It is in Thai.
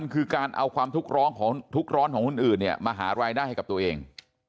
คือการเอาความทุกข์ร้อนของคนอื่นเนี่ยมาหารายได้ให้กับตัวเอง